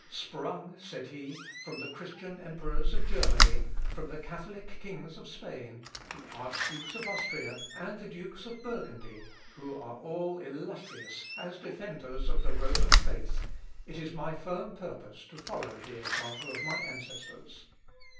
"Sprung," said he, "from the Christian emperors of Germany, from the Catholic kings of Spain, the archdukes of Austria, and the dukes of Burgundy, who are all illustrious as defenders of the Roman faith, it is my firm purpose to follow the example of my ancestors.